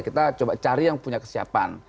kita coba cari yang punya kesiapan